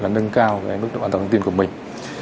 là nâng cao cái mức độ an toàn thông tin của mình